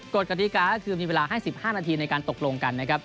กฎิกาก็คือมีเวลาให้๑๕นาทีในการตกลงกันนะครับ